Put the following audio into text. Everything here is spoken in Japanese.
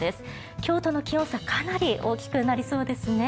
今日との気温差かなり大きくなりそうですね。